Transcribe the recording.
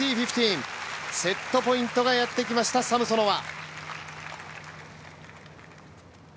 セットポイントがやってきましたサムソノワ。